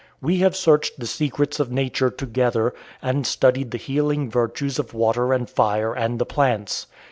We have searched the secrets of nature together, and studied the healing virtues of water and fire and the plants.